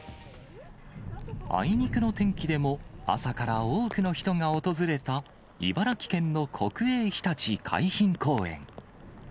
あいにくの天気でも、朝から多くの人が訪れた、茨城県の国営ひたち海浜公園。